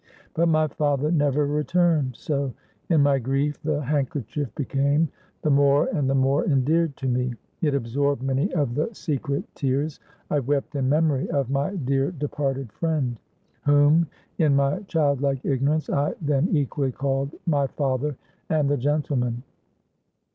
But my father never returned; so, in my grief, the handkerchief became the more and the more endeared to me; it absorbed many of the secret tears I wept in memory of my dear departed friend, whom, in my child like ignorance, I then equally called my father and the gentleman.